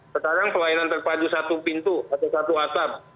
sekarang pelayanan terpadu satu pintu atau satu atap